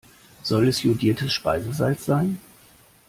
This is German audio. Soll es jodiertes Speisesalz sein?